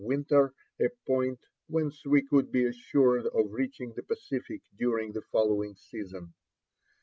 winter, a point whence we could be assured of reaching the Pacific during the following season.